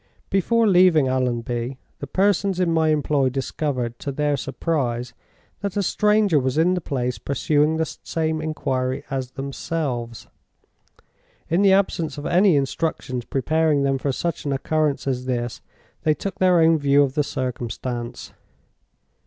"Before leaving Allonby, the persons in my employ discovered, to their surprise, that a stranger was in the place pursuing the same inquiry as themselves. In the absence of any instructions preparing them for such an occurrence as this, they took their own view of the circumstance.